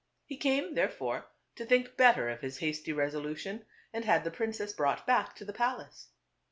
He came, therefore, to think better of his hasty resolution and had the princess brought back to the palace.